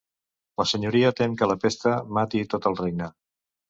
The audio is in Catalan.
La Senyoria tem que la pesta mati tot el regne.